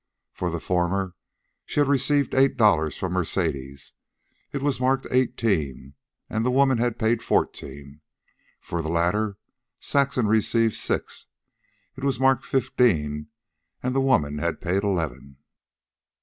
For the former she had received eight dollars from Mercedes, it was marked eighteen, and the woman had paid fourteen; for the latter Saxon received six, it was marked fifteen, and the woman had paid eleven.